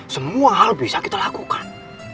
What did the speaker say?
semua hal bisa kita lakukan